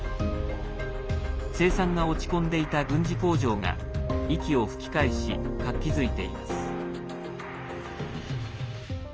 生産が落ち込んでいた軍事工場が息を吹き返し、活気づいています。